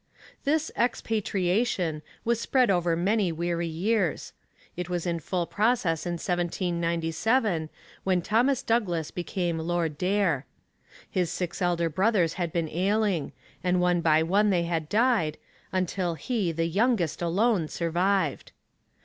This 'expatriation' was spread over many weary years. It was in full process in 1797, when Thomas Douglas became Lord Daer. His six elder brothers had been ailing, and one by one they had died, until he, the youngest, alone survived.